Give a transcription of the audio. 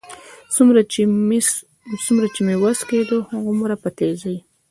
څومره چې مې وس کېده، هغومره په تېزۍ.